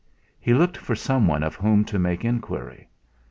He looked for someone of whom to make enquiry.